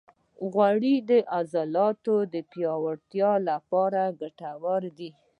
غوړې د عضلاتو پیاوړتیا لپاره ګټورې دي.